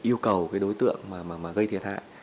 yêu cầu đối tượng gây thiệt hại